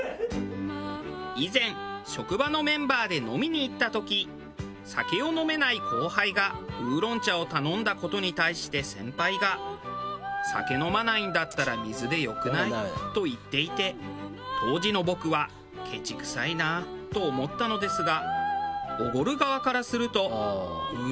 以前職場のメンバーで飲みに行った時酒を飲めない後輩がウーロン茶を頼んだ事に対して先輩が「酒飲まないんだったら水で良くない？」と言っていて当時の僕はケチくさいなと思ったのですが。